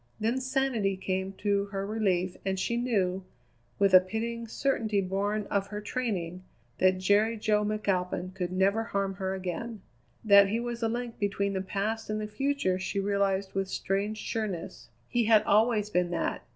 Then sanity came to her relief and she knew, with a pitying certainty born of her training, that Jerry Jo McAlpin could never harm her again. That he was a link between the past and the future she realized with strange sureness. He had always been that.